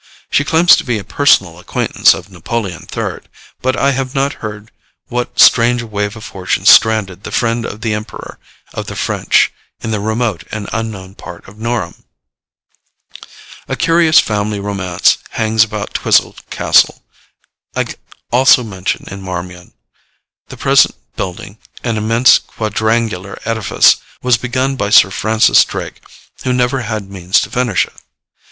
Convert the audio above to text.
She claims to be a personal acquaintance of Napoleon III; but I have not heard what strange wave of fortune stranded the friend of the Emperor of the French in the remote and unknown port of Norham. A curious family romance hangs about Twisell castle, also mentioned in 'Marmion.' The present building, an immense quadrangular edifice, was begun by Sir Francis Drake, who never had means to finish it.